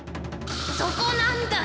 そこなんだ！